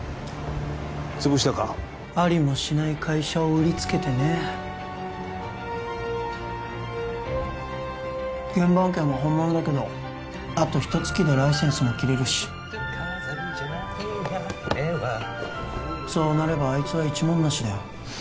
潰したかありもしない会社を売りつけてね原盤権は本物だけどあとひと月でライセンスも切れるしそうなればあいつは一文無しだよ